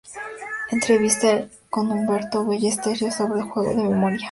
Entrevista con Humberto Ballesteros sobre "Juego de memoria".